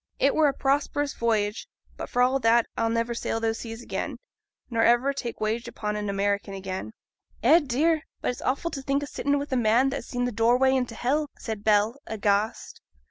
It were a prosperous voyage; but, for all that, I'll never sail those seas again, nor ever take wage aboard an American again.' 'Eh, dear! but it's awful t' think o' sitting wi' a man that has seen th' doorway into hell,' said Bell, aghast.